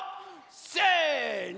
せの！